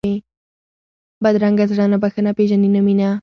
بدرنګه زړه نه بښنه پېژني نه مینه